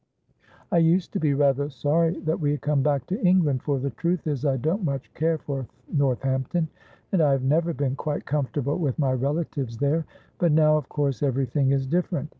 "I used to be rather sorry that we had come back to England, for the truth is I don't much care for Northampton, and I have never been quite comfortable with my relatives there. But now, of course, everything is different.